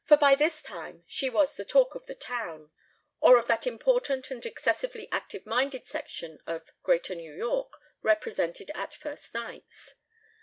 For by this time she was "the talk of the town," or of that important and excessively active minded section of Greater New York represented at first nights.